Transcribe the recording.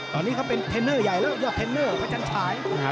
ตอนนี้เป็นเทนเนอร์ใหญ่แล้วเขาได้เทนเนอร์อะ